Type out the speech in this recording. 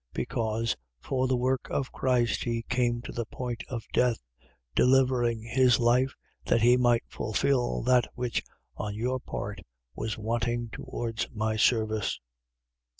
2:30. Because for the work of Christ he came to the point of death: delivering his life, that he might fulfil that which on your part was wanting towards my service.